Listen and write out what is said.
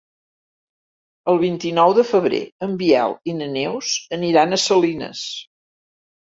El vint-i-nou de febrer en Biel i na Neus aniran a Salines.